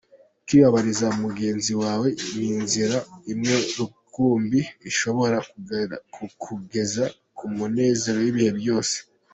Kwibabariza mugenzi wawe ni inzira imwe rukumbi ishobora kukugeza ku munezero w’ibihe byose.